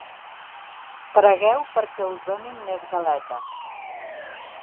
Pregueu perquè us donin més galetes.